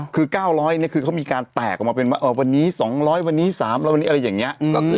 คือ๙๐๐นี้คือเค้ามีการแตกออกมาไปวันนี้๒๐๐วันนี้๓อะไรอย่างนี้